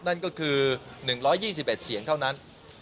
นั่นก็คือ๑๒๑เสียงเท่านั้น